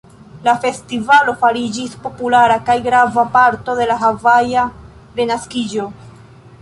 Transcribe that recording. La festivalo fariĝis populara kaj grava parto de la havaja renaskiĝo.